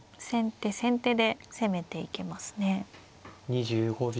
２５秒。